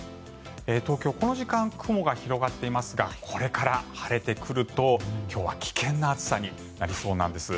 東京、この時間は雲が広がっていますがこれから晴れてくると今日は危険な暑さになりそうです。